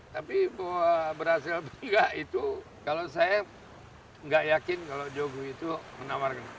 tapi berhasil berhenti kalau saya nggak yakin kalau jokowi itu menawarkan